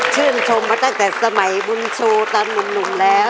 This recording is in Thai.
ชื่นชมมาตั้งแต่สมัยบุญชูตอนหนุ่มแล้ว